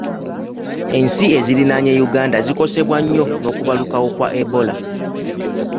Ensi eziriraanye Uganda zikosebwa nnyo n'okubalukawo kwa Ebola.